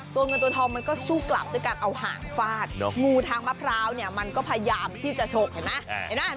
ตัวเงินตัวทองมันก็สู้กลับด้วยการเอาหางฟาดงูทางมะพร้าวเนี่ยมันก็พยายามที่จะฉกเห็นไหม